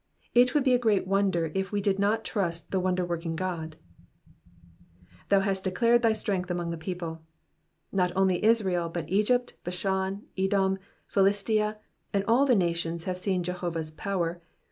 It would be a great wonder if we did not trust the wonder working Gtod. 2%<?w hast declared thy strength artiong the people,'*'^ Not only Israel, but Egypt, Bashan, Edom, Philistia, and all the nations have seen Jebovah^s power.